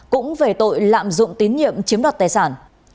cũng về tội lạm dụng tín nhiệm chiếm đoạt tài sản